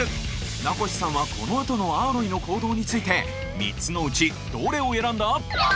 名越さんはこのあとのアーロイの行動について３つのうちどれを選んだ？